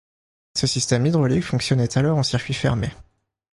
Ce système hydraulique fonctionnait alors en circuit fermé.